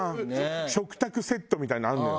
食卓セットみたいなのあるのよ。